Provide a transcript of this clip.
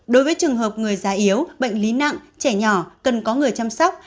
đối với trường hợp người già yếu bệnh lý nặng trẻ nhỏ cần có người chăm sóc